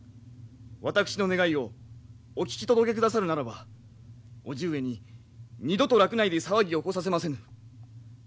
私の願いをお聞き届けくださるならば叔父上に二度と洛内で騒ぎを起こさせませぬ。